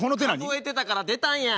数えてたから出たんや。